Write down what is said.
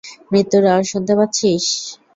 মৃত্যুর আওয়াজ শুনতে পাচ্ছিস?